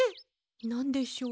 なんでしょう？